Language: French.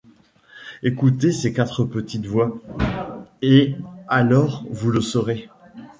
Ecoutez ces quatre petites voix, et alors vous le saurez.